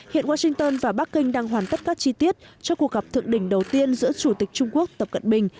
hiện washington và bắc kinh đang hoàn tất các chi tiết cho cuộc gặp thượng đỉnh đầu tiên giữa chủ tịch trung quốc tập cận bình